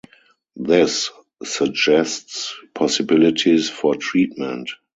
This suggests possibilities for treatment.